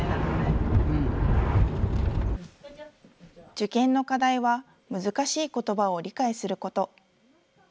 受験の課題は難しいことばを理解すること。